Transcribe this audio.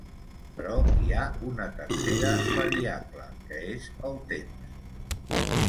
Però hi ha una tercera variable, que és el temps.